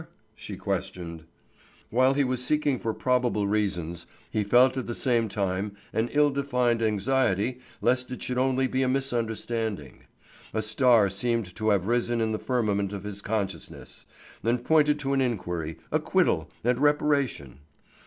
she questioned. While he was seeking for probable reasons, he felt at the same time an ill defined anxiety lest it should only be a misunderstanding. A star seemed to have risen in the firmament of his consciousness, and pointed to an inquiry, acquittal, and reparation.